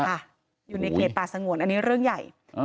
อยู่ในเขตป่าสงวนอันนี้เรื่องใหญ่